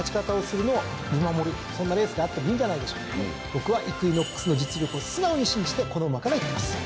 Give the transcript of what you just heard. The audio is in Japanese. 僕はイクイノックスの実力を素直に信じてこの馬からいきます。